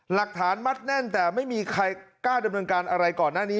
หลักฐานมัดแน่นแต่ไม่มีใครกล้าดำเนินการอะไรก่อนหน้านี้